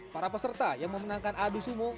para peserta yang memenangkan adu sumo